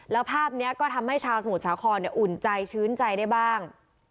แล้วภาพนี้ก็ทำให้ชาวสมุทรสาครอุ่นใจชื้นใจได้บ้าง